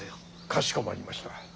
かしこまりました。